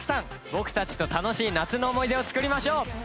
僕たちと楽しい夏の思い出を作りましょう！